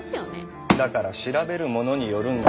だから調べるものによるんだ。